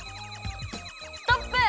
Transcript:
ストップ！